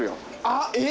あっえ？